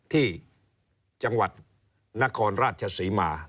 ที่จังหวัดนครราชศรีมา